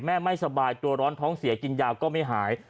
ไม่สบายตัวร้อนท้องเสียกินยาก็ไม่หาย